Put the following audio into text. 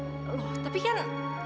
loh tapi kan